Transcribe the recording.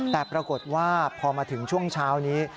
แต่ปรากฏว่าพอมาถึงช่วงเช้านี้